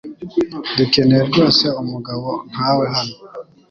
Dukeneye rwose umugabo nkawe hano.